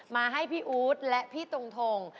มาให้พี่อู๊ดและพี่ตรงทง